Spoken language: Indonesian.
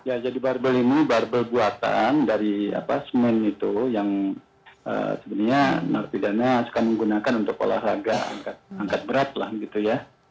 ya jadi barbel ini barbel buatan dari semen itu yang sebenarnya narapidana suka menggunakan untuk olahraga angkat berat lah gitu ya